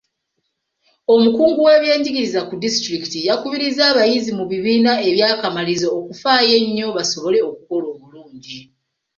Omukungu w'ebyenjigiriza ku disitulikiti yakubirizza abayizi mu bibiina eby'akamalirizo okufaayo ennyo basobole okukola obulungi.